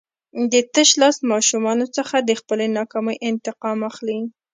د تشلاس ماشومانو څخه د خپلې ناکامۍ انتقام اخلي.